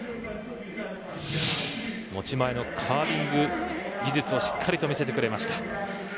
持ち前のカービング技術をしっかりと見せてくれました。